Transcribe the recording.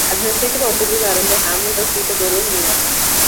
Administrative offices are in the hamlet of Peterboro, New York.